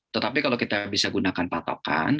tetapi kalau kita bisa gunakan patokan